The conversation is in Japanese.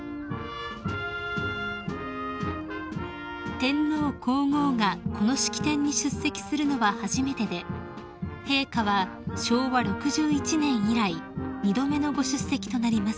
［天皇皇后がこの式典に出席するのは初めてで陛下は昭和６１年以来二度目のご出席となります］